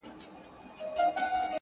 دا هم له تا جار دی؛ اې وطنه زوروره؛